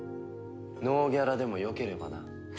ノーギャラでもよければな。